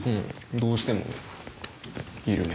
どうしてもいるね。